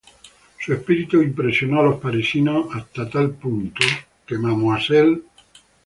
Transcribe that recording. Su espíritu impresionó a los parisinos a tal punto, que Mme.